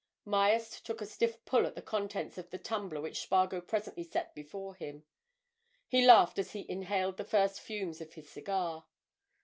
Myerst took a stiff pull at the contents of the tumbler which Spargo presently set before him. He laughed as he inhaled the first fumes of his cigar.